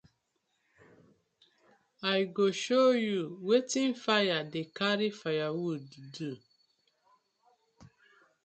I go show yu wetin fire dey karry firewood do.